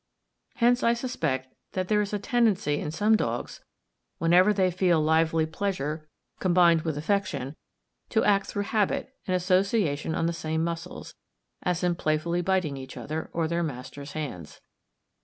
Hence I suspect that there is a tendency in some dogs, whenever they feel lively pleasure combined with affection, to act through habit and association on the same muscles, as in playfully biting each other, or their masters' hands.